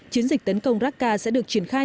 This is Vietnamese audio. chiến dịch tấn công raqqa sẽ được triển khai